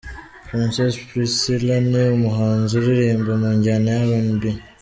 Princess Priscillah: Ni umuhanzi uririmba mu njyana ya RnB.